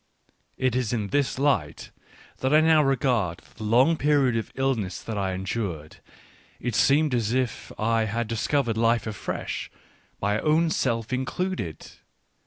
It is in this light that I now regard the long period of illness that I endured : it seemed as if I had discovered life afresh, my own self included.